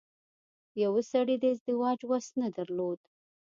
يوه سړي د ازدواج وس نه درلود.